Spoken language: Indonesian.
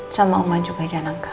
sama oma juga jangan angkau